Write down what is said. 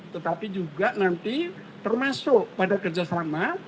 tetapi juga nanti termasuk pada kerjasama